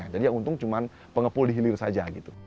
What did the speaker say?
jadi yang untung cuma pengepul di hilir saja